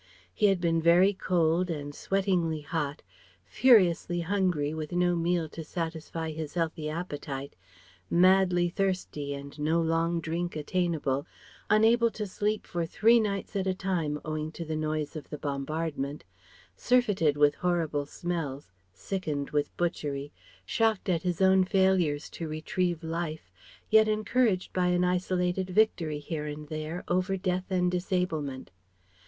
He had been very cold and sweatingly hot, furiously hungry with no meal to satisfy his healthy appetite, madly thirsty and no long drink attainable; unable to sleep for three nights at a time owing to the noise of the bombardment; surfeited with horrible smells; sickened with butchery; shocked at his own failures to retrieve life, yet encouraged by an isolated victory, here and there, over death and disablement.